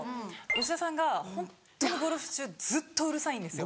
吉田さんがホンットにゴルフ中ずっとうるさいんですよ。